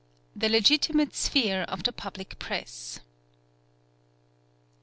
THE LEGITIMATE SPHERE OF THE PUBLIC PRESS.